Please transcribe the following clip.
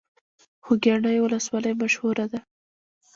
خوږیاڼیو ولسوالۍ مشهوره ده؟